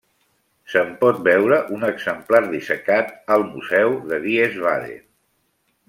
Se'n pot veure un exemplar dissecat al Museu de Wiesbaden.